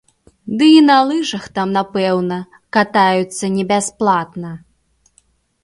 Ды і на лыжах там, напэўна, катаюцца не бясплатна!